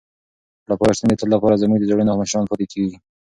خلفای راشدین د تل لپاره زموږ د زړونو مشران پاتې کیږي.